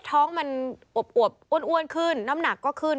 ท้องมันอวบอ้วนขึ้นน้ำหนักก็ขึ้น